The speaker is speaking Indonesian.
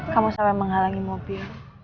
kamu sampai menghalangi mobil